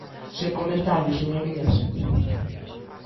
Sen comentarios, señorías.